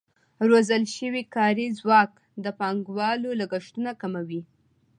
روزل شوی کاري ځواک د پانګوالو لګښتونه کموي.